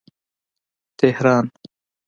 تهران